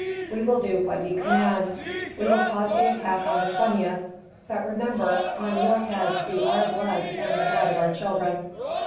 We will do what ye command; we will cause the attack on the 20th. But remember, on your heads be our blood and the blood of our children."